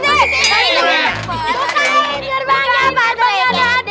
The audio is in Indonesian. bukain nyerbangnya pasri giti